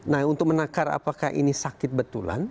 nah untuk menakar apakah ini sakit betulan